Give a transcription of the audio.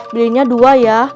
belinya dua ya